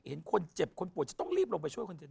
เห็นคนเจ็บคนป่วยจะต้องรีบลงไปช่วยคนเจ็บ